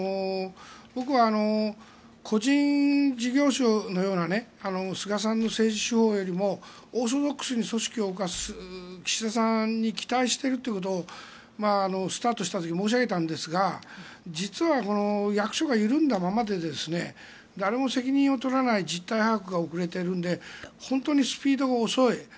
僕は、個人事業所のような菅さんの政治手法よりもオーソドックスに組織を動かす岸田さんに期待しているということをスタートした時に申し上げたんですが実は役所が緩んだままで誰も責任を取らない実態把握が遅れているので本当にスピードが遅い。